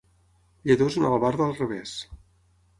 Lledó és una albarda al revés.